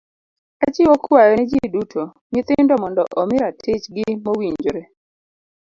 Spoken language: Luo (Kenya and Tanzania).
Achiwo kwayo ne ji duto, nyithindo mondo omi ratich gi mowinjore.